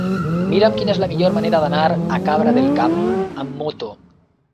Mira'm quina és la millor manera d'anar a Cabra del Camp amb moto.